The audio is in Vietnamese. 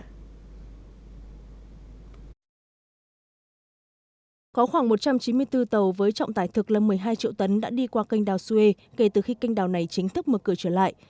có khoảng một trăm chín mươi bốn tàu với trọng tải thực lâm một mươi hai triệu tấn đã đi qua canh đảo suez kể từ khi canh đảo này chính thức mở cửa trở lại